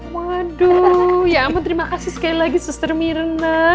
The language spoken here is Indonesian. waduh ya oma terima kasih sekali lagi sister mirena